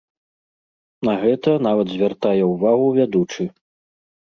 На гэта нават звяртае ўвагу вядучы.